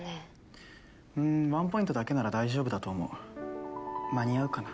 うーんワンポイントだけなら大丈夫だと思う間に合うかな？